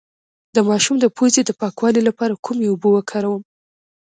د ماشوم د پوزې د پاکوالي لپاره کومې اوبه وکاروم؟